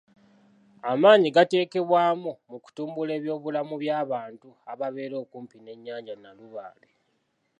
Amaanyi gateekebwamu mu kutumbula eby'obulamu by'abantu ababeera okumpi n'ennyanja Nalubaale.